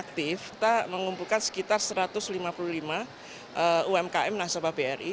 kita mengumpulkan sekitar satu ratus lima puluh lima umkm nasabah bri